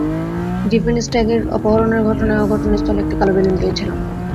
Griffin স্ট্যাগের অপহরণের ঘটনায়ও ঘটনাস্থলে একটা কালো বেলুন পেয়েছিলাম।